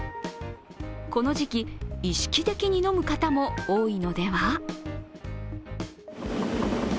この時期、意識的に飲む方も多いのでは？